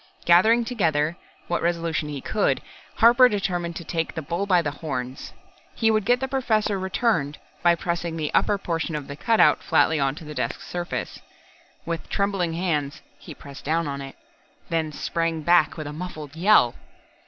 Gathering together what resolution he could, Harper determined to take the bull by the horns. He would get the Professor returned by pressing the upper portion of the cutout flatly onto the desk surface. With trembling hands, he pressed down on it then sprang back with a muffled yell.